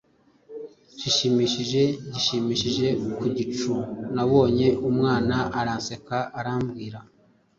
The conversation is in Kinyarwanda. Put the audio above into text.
zishimishije gishimishije Ku gicu nabonye umwana. Aranseka arambwira.